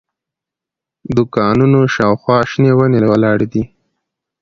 د دوکانونو شاوخوا شنې ونې ولاړې دي.